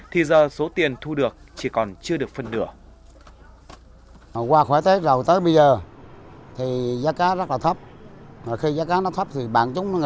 thì giờ số tiền thu được chỉ còn chưa được phân nửa